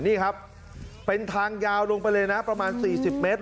นี่ครับเป็นทางยาวลงไปเลยนะประมาณ๔๐เมตร